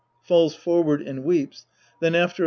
{Falls forward and weeps, then after Sc.